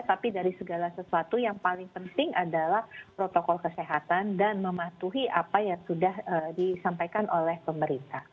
tapi dari segala sesuatu yang paling penting adalah protokol kesehatan dan mematuhi apa yang sudah disampaikan oleh pemerintah